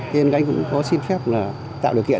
thế nên anh cũng xin phép tạo điều kiện